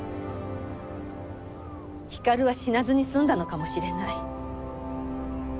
光は死なずに済んだのかもしれない。